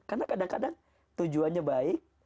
karena kadang kadang tujuannya baik